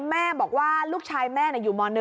แม่บอกว่าลูกชายแม่อยู่ม๑